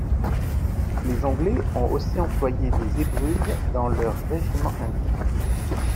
Les Anglais ont aussi employé des zébrules dans leurs régiments indiens.